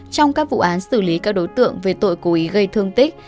trong các vụ án xử lý các đối tượng về tội cố ý gây thương tích